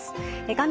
画面